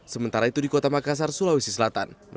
sementara itu di kota makassar sulawesi selatan